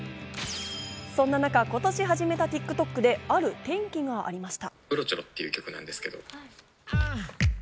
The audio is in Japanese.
そんな中、今年始めたＴｉｋＴｏｋである転機がありました。